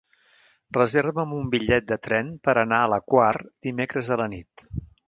Reserva'm un bitllet de tren per anar a la Quar dimecres a la nit.